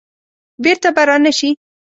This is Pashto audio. بیرته به را نه شي.